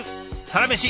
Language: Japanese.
「サラメシ」